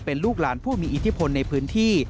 เป็นลูกหลานผู้มีอิทธิพลในพื้นที่